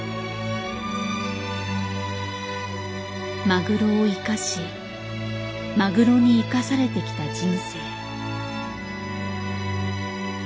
マグロを生かしマグロに生かされてきた人生。